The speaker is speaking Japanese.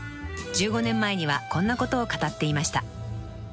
［１５年前にはこんなことを語っていました］